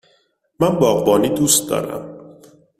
من باغبانی دوست دارم.